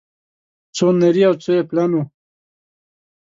څو نري او څو يې پلن وه